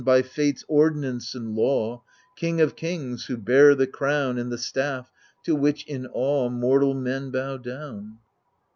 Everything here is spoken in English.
By Fate's ordinance and law, King of kings who bear the crown And the staff, to which in awe Mortal men bow down.